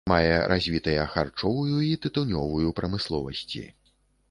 Мае развітыя харчовую і тытунёвую прамысловасці.